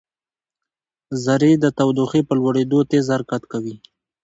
ذرې د تودوخې په لوړېدو تېز حرکت کوي.